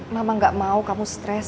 mama gak mau kamu stres